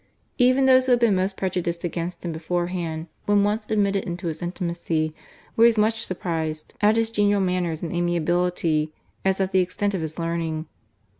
Even those who had been most prejudiced against him beforehand, when once admitted into his intimacy, were as much surprised at his genial manners and amiability as at the extent of his learning.